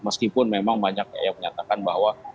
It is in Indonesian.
meskipun memang banyak yang menyatakan bahwa